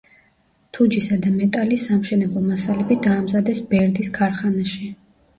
თუჯისა და მეტალის სამშენებლო მასალები დაამზადეს ბერდის ქარხანაში.